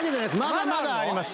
まだまだあります